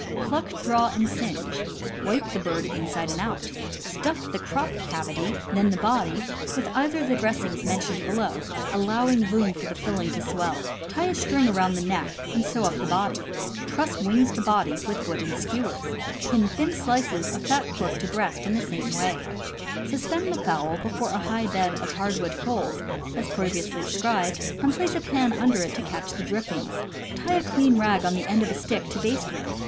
— Pluck, draw, and singe. Wipe the bird inside and out. Stuff the crop cavity, then the body, with either of the dressings mentioned below, allowing room for the filling to swell. Tie a string around the neck, and sew up the body. Truss wings to body with wooden skewers. Pin thin slices of fat pork to breast in same way. Suspend the fowl before a high bed of hardwood coals, as previously described, and place a pan under it to catch drippings. Tie a clean rag on the end of a stick to baste with.